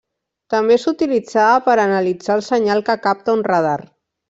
També s'utilitzava per analitzar el senyal que capta un radar.